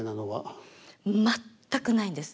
全くないんです。